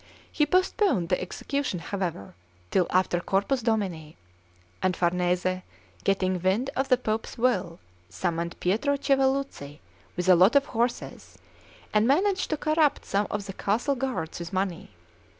He postponed the execution, however, till after Corpus Domini; and Farnese, getting wind of the Pope's will, summoned Pietro Chiavelluzi with a lot of horses, and managed to corrupt some of the castle guards with money.